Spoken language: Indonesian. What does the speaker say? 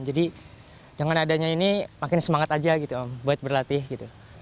dengan adanya ini makin semangat aja gitu buat berlatih gitu